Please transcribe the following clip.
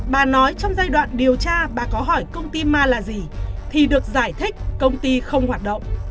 bà nói trong giai đoạn điều tra bà có hỏi công ty ma là gì thì được giải thích công ty không hoạt động